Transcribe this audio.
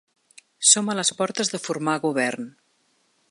Som a les portes de formar govern.